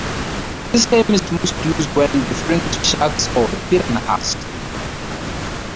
This term is most often used when referring to sharks or piranhas.